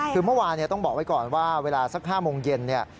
คือเมื่อวานต้องบอกไว้ก่อนว่าเวลาสัก๕โมงเย็นเนี่ย